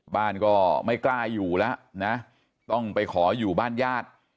บ้านก็ไม่กล้าอยู่แล้วนะต้องไปขออยู่บ้านญาติ